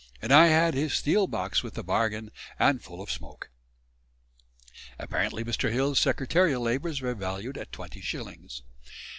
and I had his steel box with the bargain, and full of smoake." Apparently Mr. Hill's secretarial labours were valued at 20s.